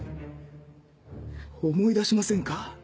思い出しませんか？